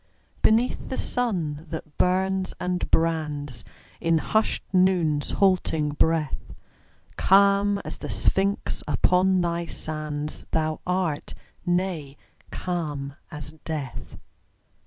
Beneath the sun that burns and brands In hushed Noon's halting breath, Calm as the Sphinx upon thy sands Thou art nay, calm as death.